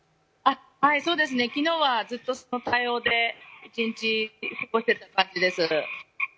昨日はずっとその対応で一日過ごしていた感じです。